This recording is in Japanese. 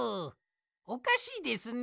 おかしいですね。